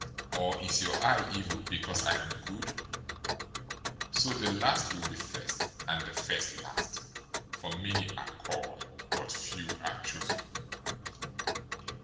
Or is your eye evil, because I am good?' 020:016 So the last will be first, and the first last. For many are called, but few are chosen."